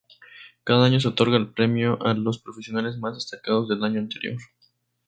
Cada año se otorga el premio a los profesionales más destacados del año anterior.